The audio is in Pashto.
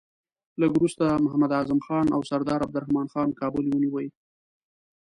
لږ وروسته محمد اعظم خان او سردار عبدالرحمن خان کابل ونیوی.